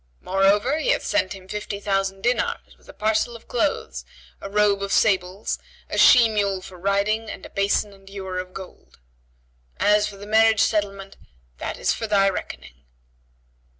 Moreover, he hath sent him fifty thousand dinars with a parcel of clothes, a robe of sables, a she mule for riding and a basin and ewer of gold. As for the marriage settlement that is for thy recking."